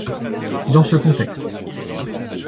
Dans ce contexte.